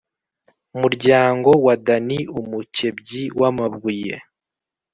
muryango wa Dani umukebyi w amabuye